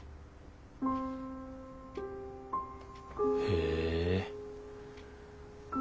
へえ。